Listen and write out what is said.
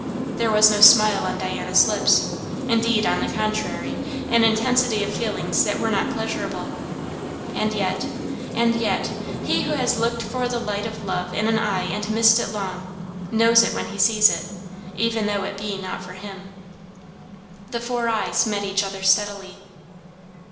There was no smile on Diana's lips, indeed; on the contrary, an intensity of feelings that were not pleasurable; and yet, and yet, he who has looked for the light of love in an eye and missed it long, knows it when he sees it, even though it be not for him. The four eyes met each other steadily.